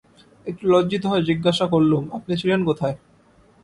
একটু লজ্জিত হয়ে জিজ্ঞাসা করলুম, আপনি ছিলেন কোথায়?